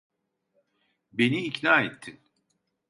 Beni ikna ettin.